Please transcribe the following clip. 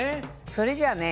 それじゃあね